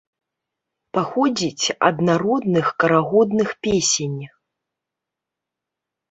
Паходзіць ад народных карагодных песень.